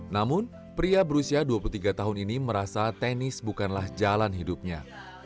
namun pria berusia dua puluh tiga tahun ini merasa tenis bukanlah jalan hidupnya